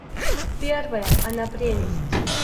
Первое — она прелесть!